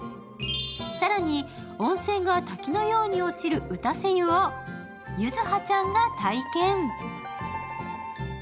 更に、温泉が滝のように落ちる打たせ湯を柚葉ちゃんが体験。